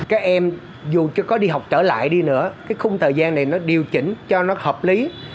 các em dù chưa có đi học trở lại đi nữa cái khung thời gian này nó điều chỉnh cho nó hợp lý